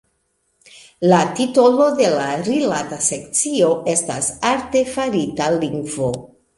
La titolo de la rilata sekcio estas Artefarita lingvo.